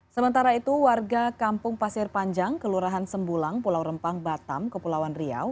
sementara itu warga kampung pasir panjang kelurahan sembulang pulau rempang batam kepulauan riau